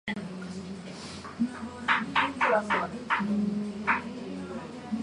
智識は黒よりも余程発達しているつもりだが腕力と勇気とに至っては到底黒の比較にはならないと覚悟はしていたものの、